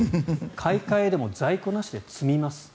買い替えでも在庫なしで詰みます。